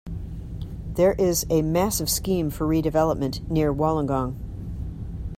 There is a massive scheme for redevelopment near Wollongong.